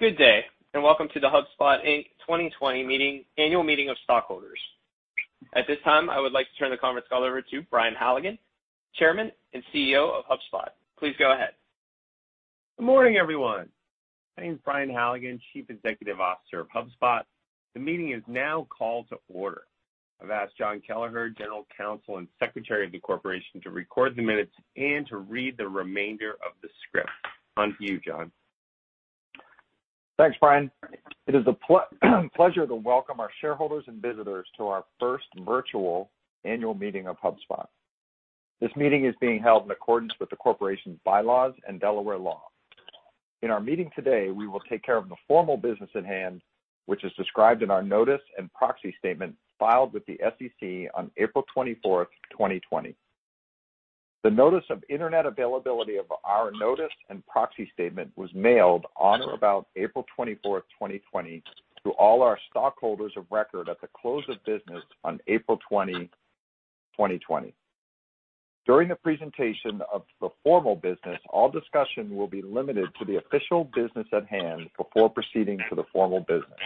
Good day. Welcome to the HubSpot, Inc. 2020 Annual Meeting of Stockholders. At this time, I would like to turn the conference call over to Brian Halligan, Chairman and CEO of HubSpot. Please go ahead. Good morning, everyone. My name is Brian Halligan, Chief Executive Officer of HubSpot. The meeting is now called to order. I've asked John Kelleher, General Counsel and Secretary of the Corporation, to record the minutes and to read the remainder of the script. On to you, John. Thanks, Brian. It is a pleasure to welcome our shareholders and visitors to our first virtual annual meeting of HubSpot. This meeting is being held in accordance with the corporation's bylaws and Delaware law. In our meeting today, we will take care of the formal business at hand, which is described in our notice and proxy statement filed with the SEC on April 24, 2020. The notice of internet availability of our notice and proxy statement was mailed on or about April 24, 2020, to all our stockholders of record at the close of business on April 20, 2020. During the presentation of the formal business, all discussion will be limited to the official business at hand before proceeding to the formal business.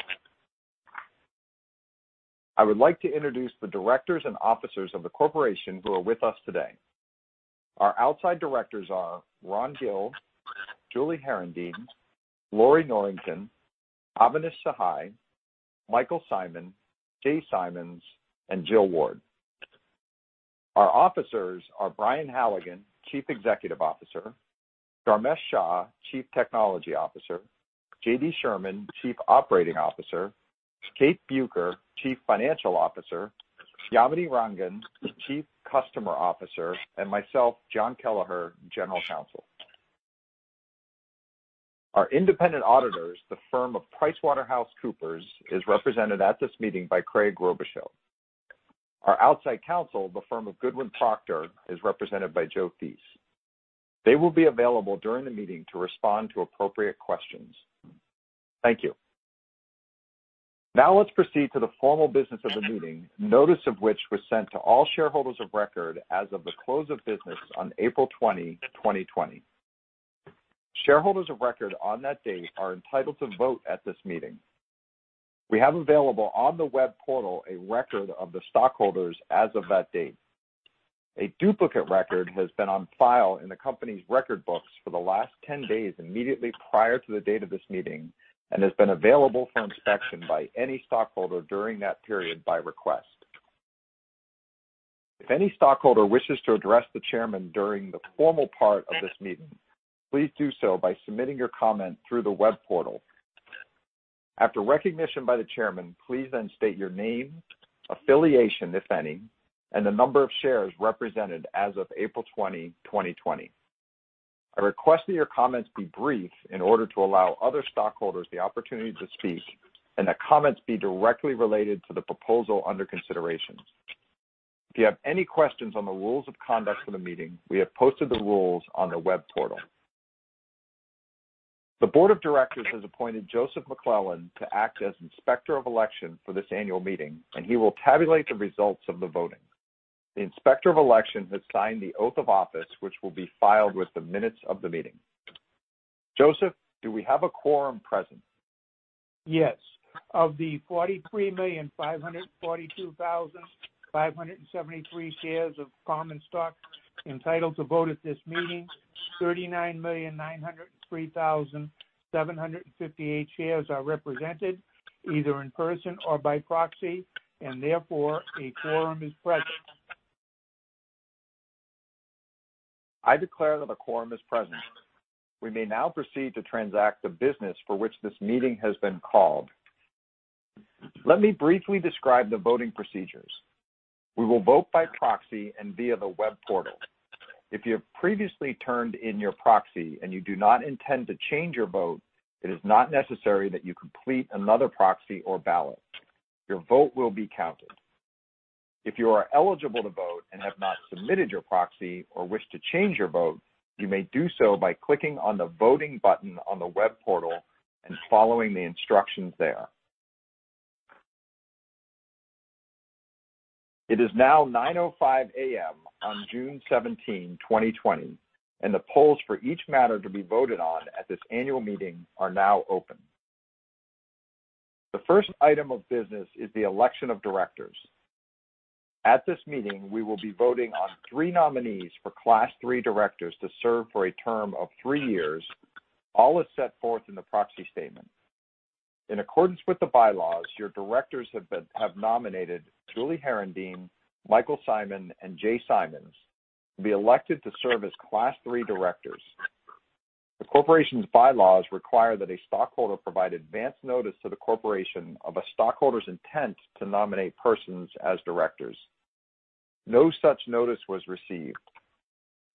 I would like to introduce the directors and officers of the corporation who are with us today. Our outside directors are Ron Gill, Julie Herendeen, Lorrie Norrington, Avanish Sahai, Michael Simon, Jay Simons, and Jill Ward. Our officers are Brian Halligan, Chief Executive Officer, Dharmesh Shah, Chief Technology Officer, JD Sherman, Chief Operating Officer, Kate Bueker, Chief Financial Officer, Yamini Rangan, Chief Customer Officer, and myself, John Kelleher, General Counsel. Our independent auditors, the firm of PricewaterhouseCoopers, is represented at this meeting by Craig Robichaux. Our outside counsel, the firm of Goodwin Procter, is represented by Joe Theis. They will be available during the meeting to respond to appropriate questions. Thank you. Now let's proceed to the formal business of the meeting, notice of which was sent to all shareholders of record as of the close of business on April 20, 2020. Shareholders of record on that date are entitled to vote at this meeting. We have available on the web portal a record of the stockholders as of that date. A duplicate record has been on file in the company's record books for the last 10 days immediately prior to the date of this meeting, and has been available for inspection by any stockholder during that period by request. If any stockholder wishes to address the chairman during the formal part of this meeting, please do so by submitting your comment through the web portal. After recognition by the chairman, please then state your name, affiliation, if any, and the number of shares represented as of April 20, 2020. I request that your comments be brief in order to allow other stockholders the opportunity to speak and that comments be directly related to the proposal under consideration. If you have any questions on the rules of conduct for the meeting, we have posted the rules on the web portal. The board of directors has appointed Joseph McClellan to act as Inspector of Election for this annual meeting. He will tabulate the results of the voting. The Inspector of Election has signed the oath of office, which will be filed with the minutes of the meeting. Joseph, do we have a quorum present? Yes. Of the 43,542,573 shares of common stock entitled to vote at this meeting, 39,903,758 shares are represented either in person or by proxy, and therefore, a quorum is present. I declare that a quorum is present. We may now proceed to transact the business for which this meeting has been called. Let me briefly describe the voting procedures. We will vote by proxy and via the web portal. If you have previously turned in your proxy and you do not intend to change your vote, it is not necessary that you complete another proxy or ballot. Your vote will be counted. If you are eligible to vote and have not submitted your proxy or wish to change your vote, you may do so by clicking on the voting button on the web portal and following the instructions there. It is now 9:05 A.M. on June 17, 2020, and the polls for each matter to be voted on at this annual meeting are now open. The first item of business is the election of directors. At this meeting, we will be voting on three nominees for Class III directors to serve for a term of three years, all as set forth in the proxy statement. In accordance with the bylaws, your directors have nominated Julie Herendeen, Michael Simon, and Jay Simons to be elected to serve as Class III directors. The corporation's bylaws require that a stockholder provide advance notice to the corporation of a stockholder's intent to nominate persons as directors. No such notice was received.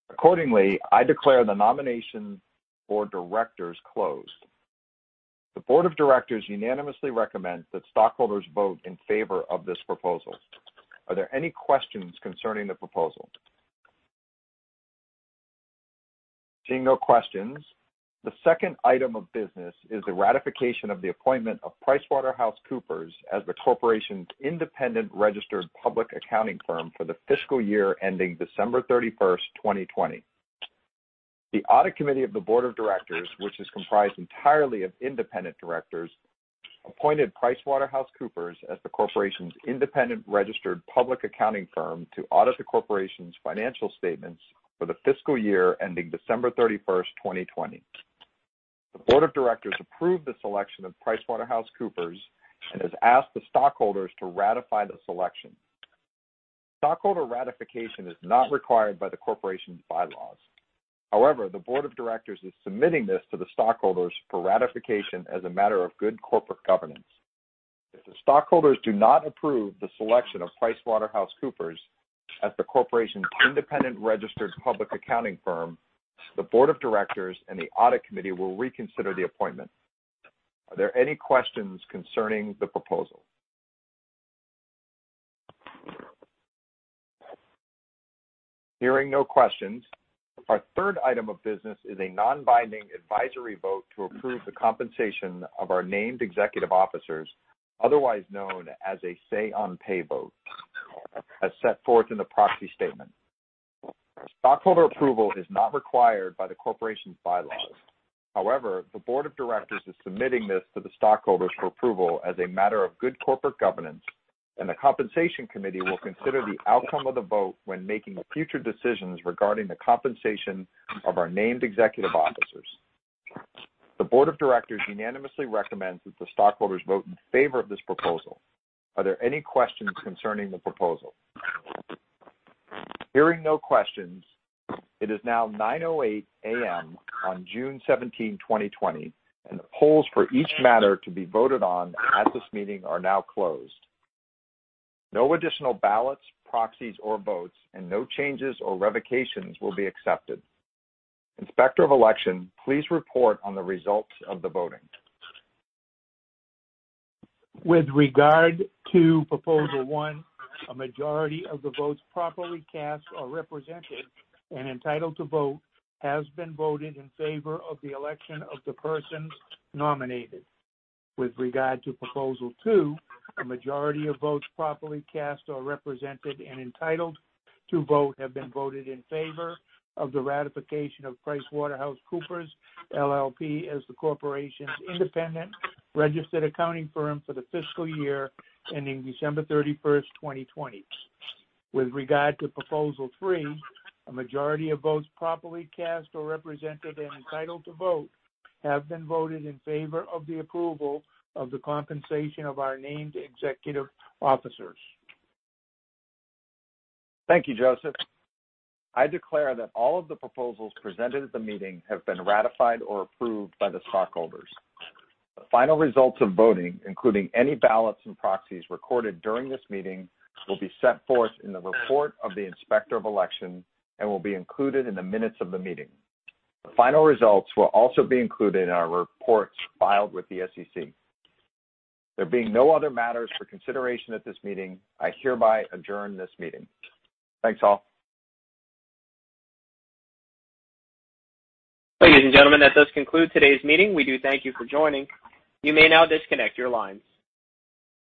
Accordingly, I declare the nomination for directors closed. The Board of Directors unanimously recommends that stockholders vote in favor of this proposal. Are there any questions concerning the proposal? Seeing no questions, the second item of business is the ratification of the appointment of PricewaterhouseCoopers as the corporation's independent registered public accounting firm for the fiscal year ending December 31st, 2020. The audit committee of the board of directors, which is comprised entirely of independent directors, appointed PricewaterhouseCoopers as the corporation's independent registered public accounting firm to audit the corporation's financial statements for the fiscal year ending December 31st, 2020. The board of directors approved the selection of PricewaterhouseCoopers and has asked the stockholders to ratify the selection. Stockholder ratification is not required by the corporation's bylaws. However, the board of directors is submitting this to the stockholders for ratification as a matter of good corporate governance. If the stockholders do not approve the selection of PricewaterhouseCoopers as the corporation's independent registered public accounting firm, the board of directors and the audit committee will reconsider the appointment. Are there any questions concerning the proposal? Hearing no questions, our third item of business is a non-binding advisory vote to approve the compensation of our named executive officers, otherwise known as a say-on-pay vote, as set forth in the proxy statement. Stockholder approval is not required by the corporation's bylaws. The Board of Directors is submitting this to the stockholders for approval as a matter of good corporate governance, and the Compensation Committee will consider the outcome of the vote when making future decisions regarding the compensation of our named executive officers. The Board of Directors unanimously recommends that the stockholders vote in favor of this proposal. Are there any questions concerning the proposal? Hearing no questions, it is now 9:08 A.M. on June 17, 2020, and the polls for each matter to be voted on at this meeting are now closed. No additional ballots, proxies, or votes, and no changes or revocations will be accepted. Inspector of Election, please report on the results of the voting. With regard to proposal one, a majority of the votes properly cast or represented and entitled to vote has been voted in favor of the election of the persons nominated. With regard to proposal two, a majority of votes properly cast or represented and entitled to vote have been voted in favor of the ratification of PricewaterhouseCoopers LLP as the corporation's independent registered accounting firm for the fiscal year ending December 31st, 2020. With regard to proposal three, a majority of votes properly cast or represented and entitled to vote have been voted in favor of the approval of the compensation of our named executive officers. Thank you, Joseph. I declare that all of the proposals presented at the meeting have been ratified or approved by the stockholders. The final results of voting, including any ballots and proxies recorded during this meeting, will be set forth in the report of the inspector of election and will be included in the minutes of the meeting. The final results will also be included in our reports filed with the SEC. There being no other matters for consideration at this meeting, I hereby adjourn this meeting. Thanks, all. Ladies and gentlemen, that does conclude today's meeting. We do thank you for joining. You may now disconnect your lines.